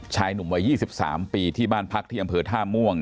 ชายหนุ่มวัย๒๓ปีที่บ้านพักที่อำเภอท่าม่วง